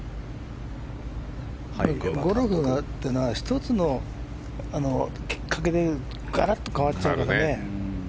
ゴルフっていうのは１つのきっかけでガラッと変わっちゃうからね。